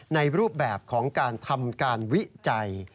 ในรูปแบบของการทำการวิจัย